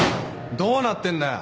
どうなってんだよ